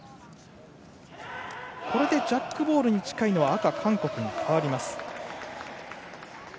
これでジャックボールに近いのは赤の韓国に変わります。